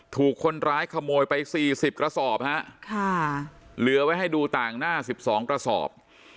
ถูกคนร้ายขโมยไปสี่สิบกระสอบฮะค่ะเหลือไว้ให้ดูต่างหน้าสิบสองกระสอบ